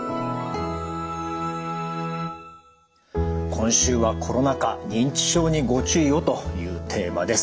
今週は「コロナ禍認知症にご注意を」というテーマです。